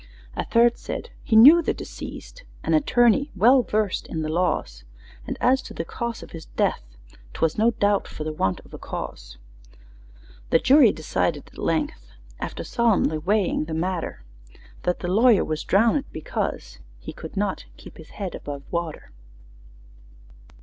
A third said, "He knew the deceased, An attorney well versed in the laws, And as to the cause of his death, 'Twas no doubt for the want of a cause." The jury decided at length, After solemnly weighing the matter, That the lawyer was drown_d_ed, because He could not keep his head above water!